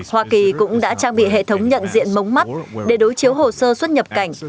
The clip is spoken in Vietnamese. hoa kỳ cũng đã trang bị hệ thống nhận diện mống mắt để đối chiếu hồ sơ xuất nhập cảnh